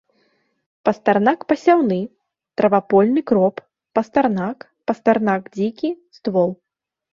Пастарнак пасяўны, травапольны кроп, пастарнак, пастарнак дзікі, ствол.